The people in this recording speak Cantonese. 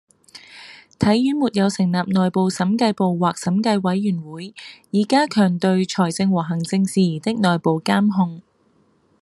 體院沒有成立內部審計部或審計委員會以加強對財政和行政事宜的內部監控